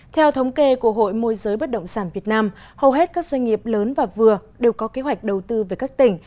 theo thống kê của hội môi giới bất động sản việt nam hầu hết các doanh nghiệp lớn và vừa đều có kế hoạch đầu tư về các tỉnh